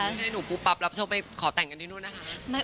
แต่ไม่ใช่หนูปุ๊บปับรับเช่าไปขอแต่งกันที่นู้นอ่ะค่ะ